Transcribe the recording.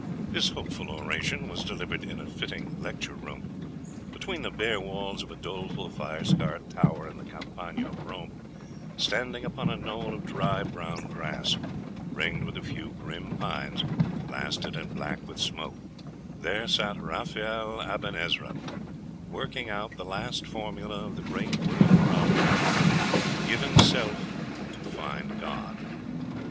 This hopeful oration was delivered in a fitting lecture room. Between the bare walls of a doleful fire scarred tower in the Campagna of Rome, standing upon a knoll of dry brown grass, ringed with a few grim pines, blasted and black with smoke; there sat Raphael Aben Ezra, working out the last formula of the great world problem 'Given Self; to find God.